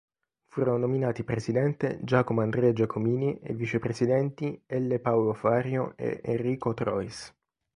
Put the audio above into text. Furono nominati presidente Giacomo Andrea Giacomini e vicepresidenti L. Paolo Fario e Enrico Trois.